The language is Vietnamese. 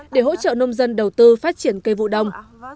để hỗ trợ nông dân đầu tư phát triển cây vụ đông